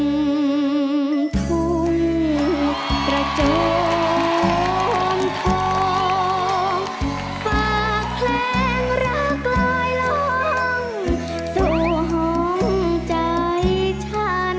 ฝากเพลงรักลอยล้องสวงห่องใจฉัน